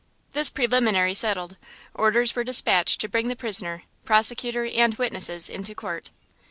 This preliminary settled, orders were despatched to bring the prisoner, prosecutor and witnesses into court.